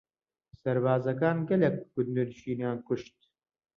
سەربازەکان گەلێک گوندنشینیان کوشتن.